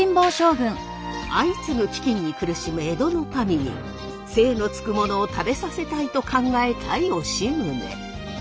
相次ぐ飢きんに苦しむ江戸の民に精のつくものを食べさせたいと考えた吉宗。